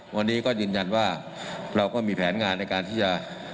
วันนี้ก็ยืนยันว่าเราก็มีแผนงานในการที่จะ